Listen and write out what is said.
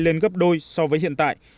lên gấp đôi so với hiện tại